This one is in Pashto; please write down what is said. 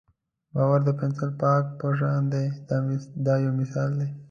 باور د پنسل پاک په شان دی دا یو مثال دی.